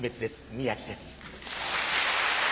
宮治です。